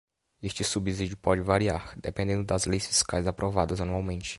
Este subsídio pode variar dependendo das leis fiscais aprovadas anualmente.